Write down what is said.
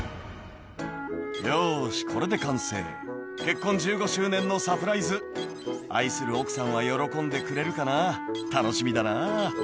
「よしこれで完成」「結婚１５周年のサプライズ愛する奥さんは喜んでくれるかな楽しみだな」